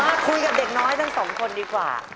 มาคุยกับเด็กน้อยทั้งสองคนดีกว่า